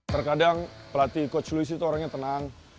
terkadang pelatih coach louis itu orangnya tenang